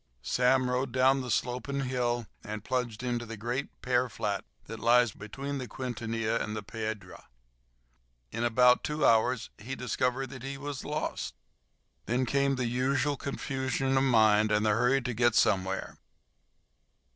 Sam rode down the sloping hill and plunged into the great pear flat that lies between the Quintanilla and the Piedra. In about two hours he discovered that he was lost. Then came the usual confusion of mind and the hurry to get somewhere.